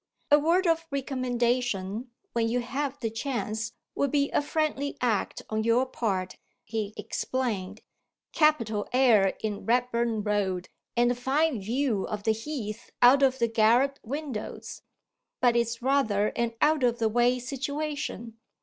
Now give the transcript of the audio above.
"A word of recommendation, when you have the chance, would be a friendly act on your part," he explained. "Capital air in Redburn Road, and a fine view of the Heath out of the garret windows but it's rather an out of the way situation.